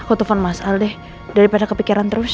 kutipan mas aldeh daripada kepikiran terus